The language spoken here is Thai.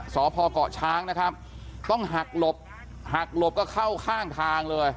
สพเกาะช้างนะครับต้องหักหลบหักหลบก็เข้าข้างทางเลย